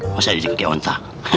tidak itu jejak kaki wonta